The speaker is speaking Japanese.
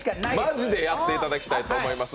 マジでやっていただきたいと思います。